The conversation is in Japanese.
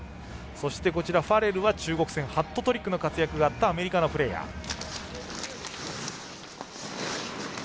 そして、ファレルは中国戦ハットトリックの活躍があったアメリカのプレーヤー。